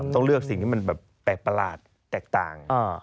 ต้องเลือกสิ่งที่มันแบบแปลกประหลาดแตกต่าง